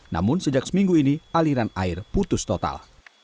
namun sejak seminggu ini aliran air putus total